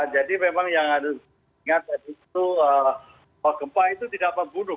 jadi memang yang harus diingat adalah itu gempa itu tidak berbunuh